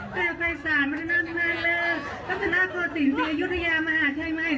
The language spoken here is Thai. แพะไฟศาสตร์มัฒนธนธนาคมมันเหลือท่านท่านท่านท่านพ่อสินติยุทธยามาหาชาไทยไหม